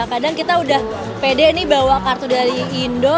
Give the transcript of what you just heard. kadang kita udah pede nih bawa kartu dari indo